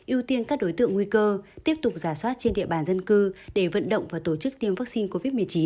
ưu tiên các đối tượng nguy cơ tiếp tục giả soát trên địa bàn dân cư để vận động và tổ chức tiêm vaccine covid một mươi chín